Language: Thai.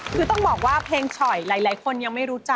คือต้องบอกว่าเพลงฉ่อยหลายคนยังไม่รู้จัก